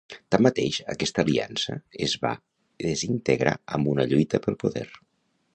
Tanmateix, aquesta aliança es va desintegrar amb una lluita pel poder.